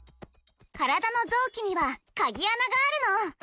カラダのぞうきにはカギあながあるの！